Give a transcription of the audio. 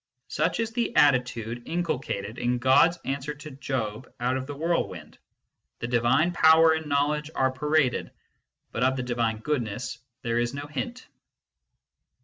Such is the attitude inculcated in God s answer to Job out of the whirlwind : the divine power and knowledge are paraded, but of the divine goodness there is no hint.